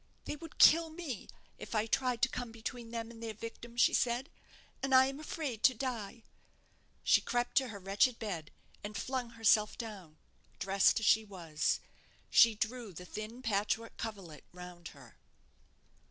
"They would kill me, if I tried to come between them and their victim," she said; "and I am afraid to die." She crept to her wretched bed, and flung herself down, dressed as she was. She drew the thin patchwork coverlet round her.